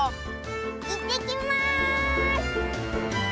いってきます！